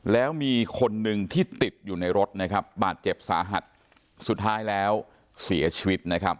แล้วมีคนหนึ่งที่ติดอยู่ในรถนะครับบาดเจ็บสาหัสสุดท้ายแล้วเสียชีวิตนะครับ